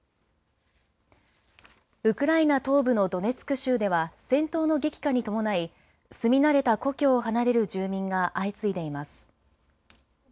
ウクライナ東部のドネツク州では戦闘の激化に伴い住み慣れた故郷を離れる住民が相次いでいます。